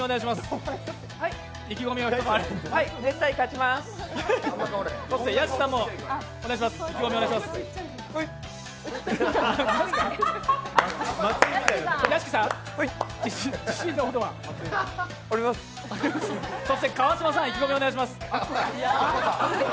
あります川島さん、意気込みをお願いします。